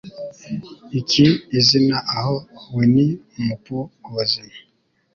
Iki izina aho Winnie Mu Pooh ubuzima